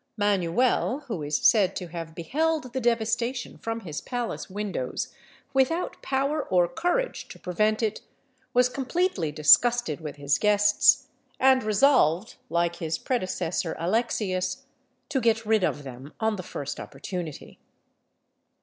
Manuel, who is said to have beheld the devastation from his palace windows without power or courage to prevent it, was completely disgusted with his guests, and resolved, like his predecessor Alexius, to get rid of them on the first opportunity.